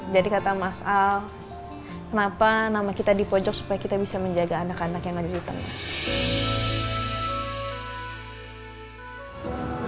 jadi kata mas lel kenapa nama kita di pojok supaya kita bisa menjaga anak anak yang ada di tengah